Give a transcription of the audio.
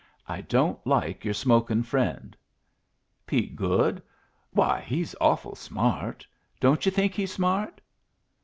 "I don't like your smokin' friend." "Pete Goode? Why, he's awful smart. Don't you think he's smart?"